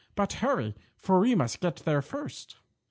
But hurry, for we must get there first."